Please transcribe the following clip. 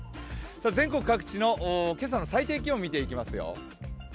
全国各地の今朝の最低気温を見ていきますよ。